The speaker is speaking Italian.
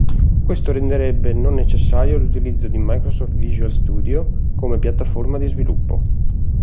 Questo renderebbe non necessario l'utilizzo di Microsoft Visual Studio come piattaforma di sviluppo.